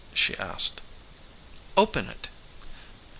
she asked. "Open it."